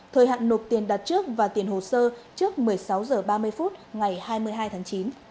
thời hạn nộp tiền đặt trước và tiền hồ sơ trước một mươi sáu h ba mươi phút ngày hai mươi hai tháng chín